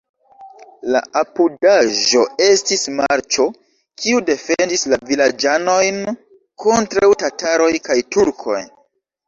La apudaĵo estis marĉo, kiu defendis la vilaĝanojn kontraŭ tataroj kaj turkoj.